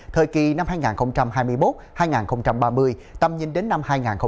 thời kỳ năm hai nghìn hai mươi một hai nghìn ba mươi tầm nhìn đến năm hai nghìn năm mươi